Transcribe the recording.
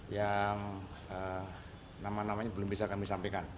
yang nama namanya belum bisa kami sampaikan